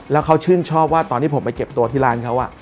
แล้วเขาชื่นชอบว่าตอนที่ผมไปเก็บตัวที่ร้านเขา